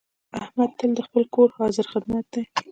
احمد تل د خپل کور حاضر خدمت دی.